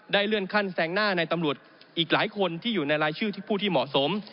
เลื่อนขั้นแซงหน้าในตำรวจอีกหลายคนที่อยู่ในรายชื่อผู้ที่เหมาะสม